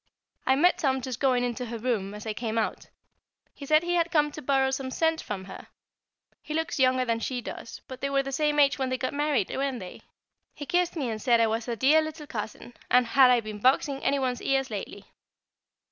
I met Tom just going into her room as I came out; he said he had come to borrow some scent from her. He looks younger than she does, but they were the same age when they got married, weren't they? He kissed me and said I was a dear little cousin, and had I been boxing any one's ears lately.